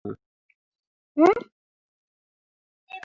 দিবো না আমি!